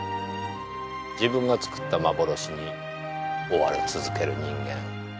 自分が作った幻に追われ続ける人間。